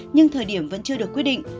nhưng thời điểm vẫn chưa được quyết định